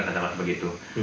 kata pak begitu